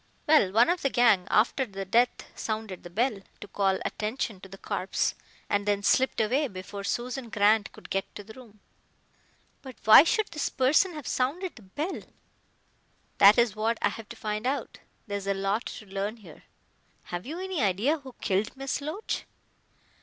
Well, one of the gang, after the death, sounded the bell to call attention to the corpse, and then slipped away before Susan Grant could get to the room." "But why should this person have sounded the bell?" "That is what I have to find out. There's a lot to learn here." "Have you any idea who killed Miss Loach?"